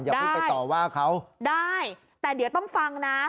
ได้แต่เดี๋ยวต้องฟังนะ